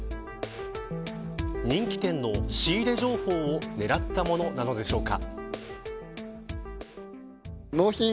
人気店の仕入れ情報を狙ったものなのでしょうか。